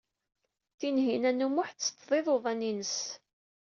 Tinhinan u Muḥ tetteṭṭeḍ iḍuḍan-ines.